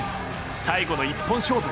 最後の一本勝負。